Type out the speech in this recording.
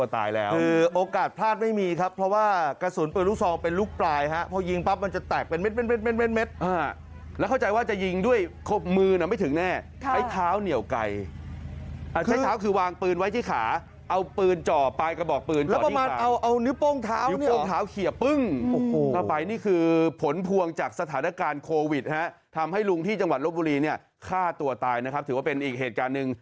แล้วคือผลพวงจากสถานการณ์โควิดทำให้ลุงที่จังหวัดลบบุรีเนี่ยฆ่าตัวตายนะครับถือว่าเป็นอีกเหตุการณ์หนึ่ง